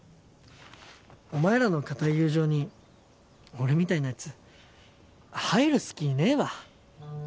お前らの固い友情に俺みたいな奴入る隙ねえわ。